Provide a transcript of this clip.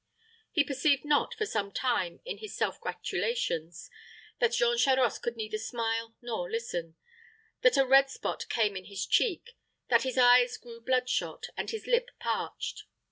He perceived not, for some time, in his self gratulations, that Jean Charost could neither smile nor listen; that a red spot came in his cheek; that his eyes grew blood shot, and his lip parched.